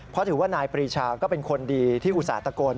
เพราะถือว่านายปรีชาก็เป็นคนดีที่อุตส่าห์ตะโกน